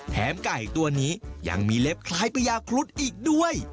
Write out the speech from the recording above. ไก่ตัวนี้ยังมีเล็บคล้ายพญาครุฑอีกด้วย